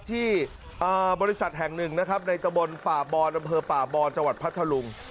ที่บริษัทแห่งหนึ่งนะครับในตะบนป่าบอนอำเภอป่าบอนจังหวัดพัทธลุง